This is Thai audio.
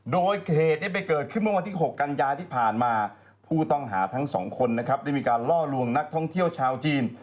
โดยเหตุที่ไปเกิดขึ้นเมื่อวันที่๖กันยาที่ผ่านมาผู้ต้องหาทั้งสองคนนะครับได้มีการล่อลวงนักท่องเที่ยวชาวจีน